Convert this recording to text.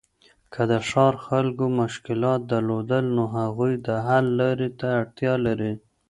که د ښار خلګو مشکلات درلودل، نو هغوی د حل لاري ته اړتیا لري.